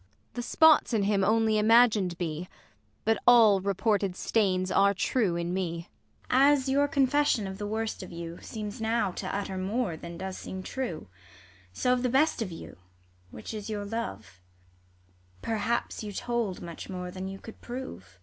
Ang. The spots in him only imagin'd be ; But all reported stains are true in me. ISAB. As your confession of the worst of you Seems now to utter more than does seem true, 206 THE LAW AGAINST LOVERS. So of the best of you, which is your love, Perhaps you told much more than you could prove.